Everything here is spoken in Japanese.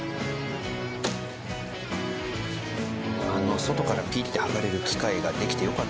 あの外からピッて剥がれる機械ができてよかったですね。